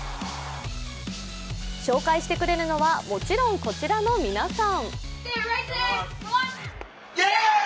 紹介してくれるのは、もちろんこちらの皆さん。